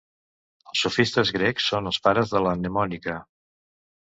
Els sofistes grecs són els pares de la mnemònica.